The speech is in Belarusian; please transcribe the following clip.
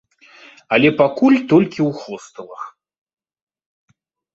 Але пакуль толькі ў хостэлах.